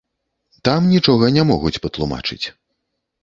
Там нічога не могуць патлумачыць.